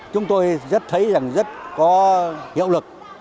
chúng tôi rất thấy rằng rất có hiệu lực